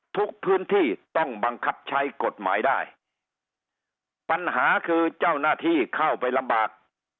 ทุกพื้นที่ต้องบังคับใช้กฎหมายได้ปัญหาคือเจ้าหน้าที่เข้าไปลำบาก